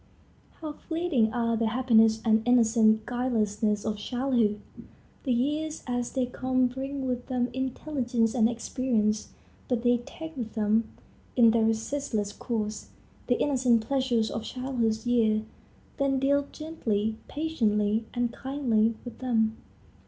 How fleeting are the happiness and innocent guilelessness of childhood! The years as they come bring with them intelligence and experience; but they take with them, in their resistless course, the innocent pleasures of childhood's years. Then deal gently, patiently, and kindly with them.